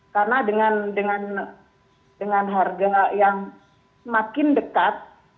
karena dengan harga yang semakin dekat